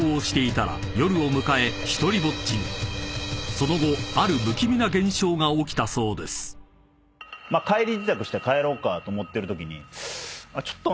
［その後ある不気味な現象が起きたそうです］と思いながらも。